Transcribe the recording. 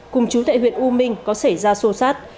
cùng chú tại huyện u minh có xảy ra sô sát